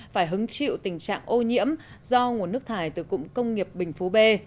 phải hứng chịu tình trạng ô nhiễm do nguồn nước thải từ cụm công nghiệp bình phú b